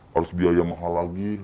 harus biaya mahal lagi